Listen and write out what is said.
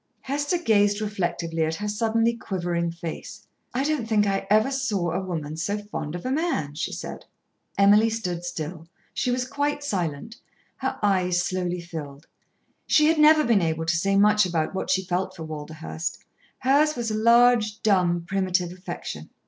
Hester gazed reflectively at her suddenly quivering face. "I don't think I ever saw a woman so fond of a man," she said. Emily stood still. She was quite silent. Her eyes slowly filled. She had never been able to say much about what she felt for Walderhurst. Hers was a large, dumb, primitive affection.